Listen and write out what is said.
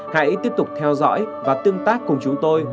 hãy tiếp tục theo dõi và tương tác cùng chúng tôi